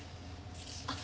あっ。